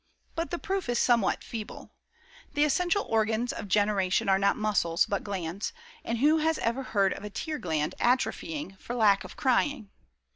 But the proof is somewhat feeble. The essential organs of generation are not muscles, but glands, and who has ever heard of a tear gland atrophying for lack of crying.